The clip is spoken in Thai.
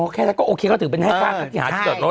อ๋อแค่นั้นก็โอเคก็ถือเป็นแห้งภาคที่หาที่จอดรถ